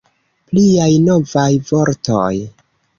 Pliaj novaj vortoj!